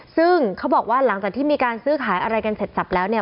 ซึ่งเขาบอกว่าหลังจากที่มีการซื้อขายอะไรกันเสร็จสับแล้วเนี่ย